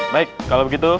baik kalau begitu